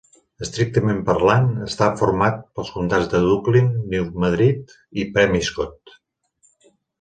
Estrictament parlant, està format pels comtats de Dunklin, New Madrid i Pemiscot.